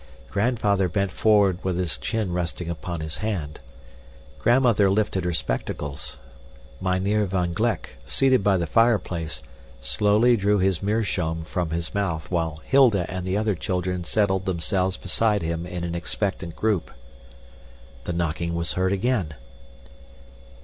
Grandfather bent forward with his chin resting upon his hand; Grandmother lifted her spectacles; Mynheer van Gleck, seated by the fireplace, slowly drew his meerschaum from his mouth while Hilda and the other children settled themselves beside him in an expectant group. The knocking was heard again.